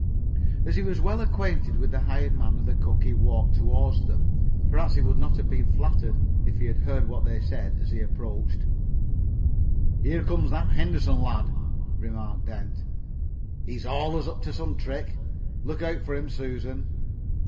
As he was well acquainted with the hired man and cook he walked toward them. Perhaps he would not have been flattered if he had heard what they said as he approached. "Here comes that Henderson lad," remarked Dent. "He's allers up to some trick. Look out for him, Susan."